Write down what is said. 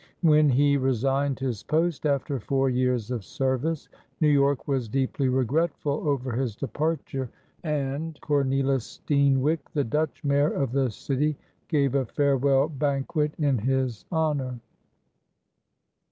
When he resigned his post after four years of service, New York was deeply regretful over his departure and Cornelis Steenwyck, the Dutch mayor of the city, gave a farewell banquet in his honor.